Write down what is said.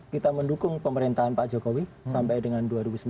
kita mendukung pemerintahan pak jokowi sampai dengan dua ribu sembilan belas